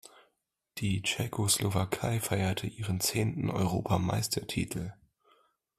Die Tschechoslowakei feierte ihren zehnten Europameistertitel.